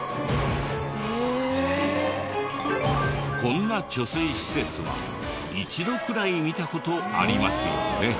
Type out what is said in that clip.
こんな貯水施設は一度くらい見た事ありますよね。